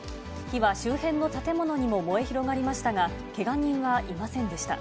火は、周辺の建物にも燃え広がりましたが、けが人はいませんでした。